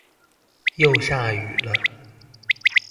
又下雨了！